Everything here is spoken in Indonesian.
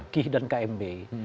kih dan kmb